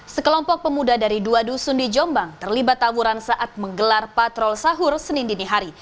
sekelompok pemuda dari dua dusun di jombang terlibat tawuran saat menggelar patrol sahur senin dinihari